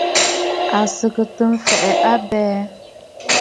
À sɔ̀ɔ̀ntə mfɛ̀ɛ a abɛɛ.